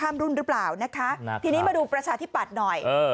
มาดูประชาธิบัติหน่อย